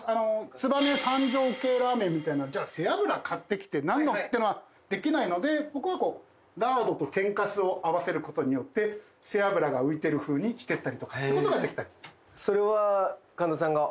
燕三条系ラーメンみたいなじゃあ背脂買ってきてなんのっていうのはできないのでここはラードと天かすを合わせることによって背脂が浮いてる風にしてったりとかってことができたりそうです！